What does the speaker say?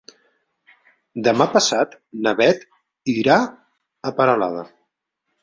Demà passat na Beth irà a Peralada.